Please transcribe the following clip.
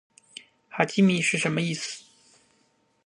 哈基米是什么意思？